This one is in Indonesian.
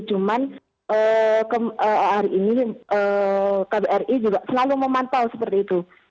cuman hari ini kbri juga selalu memantau seperti itu